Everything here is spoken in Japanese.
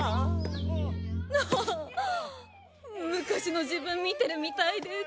昔の自分見てるみたいでつらっ！